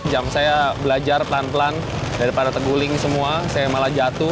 jam saya belajar pelan pelan daripada terguling semua saya malah jatuh